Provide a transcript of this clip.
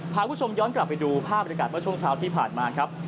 พาคุณผู้ชมย้อนกลับไปดูภาพบริการเมื่อช่วงเช้าที่ผ่านมาครับ